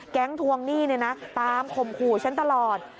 แก๊งท่วงหนี้ปั๊มคมขู่ฉันตลอด